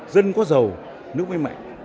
dân có giàu nước mới mạnh